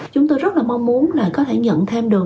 chúng tôi rất là mong muốn là có thể nhận thêm được